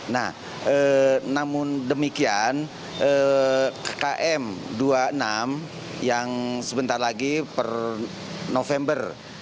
nah namun demikian km dua puluh enam yang sebentar lagi per november